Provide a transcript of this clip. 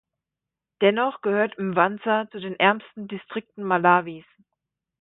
Dennoch gehört Mwanza zu den ärmsten Distrikten Malawis.